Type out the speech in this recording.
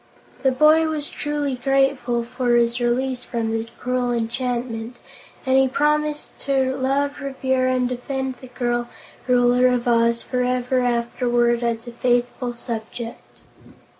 The boy was truly grateful for his release from the cruel enchantment, and he promised to love, revere and defend the girl Ruler of Oz forever afterward, as a faithful subject.